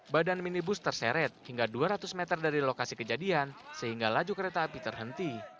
badan minibus terseret hingga dua ratus meter dari lokasi kejadian sehingga laju kereta api terhenti